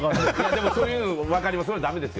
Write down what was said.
でも、そういうの分かります。